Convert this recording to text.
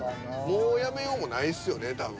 もうやめようもないっすよね多分。